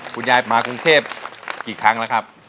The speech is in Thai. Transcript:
คุณยายมากรุงเทพกี่ครั้งแล้วครับ